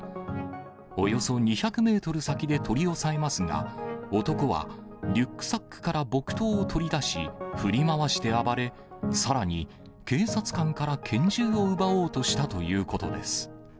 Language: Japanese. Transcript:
およそ２００メートル先で取り押さえますが、男はリュックサックから木刀を取り出し、振り回して暴れ、さらに警察官から拳銃を奪おうとしたということです。